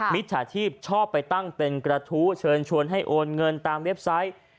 มิจฉาชีพชอบไปตั้งเป็นกระทู้เชิญชวนให้โอนเงินตามเว็บไซต์